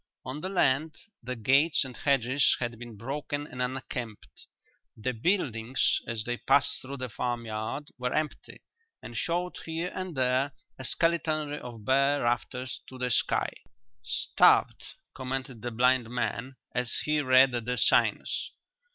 On the land, the gates and hedges had been broken and unkempt; the buildings, as they passed through the farmyard, were empty and showed here and there a skeletonry of bare rafters to the sky. "Starved," commented the blind man, as he read the signs.